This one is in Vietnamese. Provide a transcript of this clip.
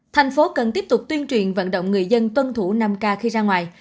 thành phố cần tiếp tục tuyên truyền vận động người dân tuân thủ năm k khi ra ngoài